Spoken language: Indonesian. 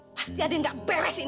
pasti ada yang nggak beres ini